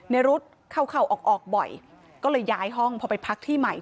รุดเข้าเข้าออกบ่อยก็เลยย้ายห้องพอไปพักที่ใหม่